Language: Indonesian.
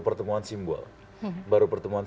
pertemuan simbol baru pertemuan